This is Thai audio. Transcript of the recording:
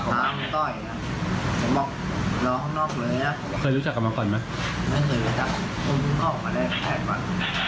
คือเราเพิ่งออกมาได้๘วัน